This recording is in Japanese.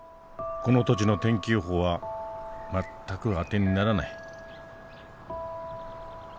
この土地の天気予報は全く当てにならない。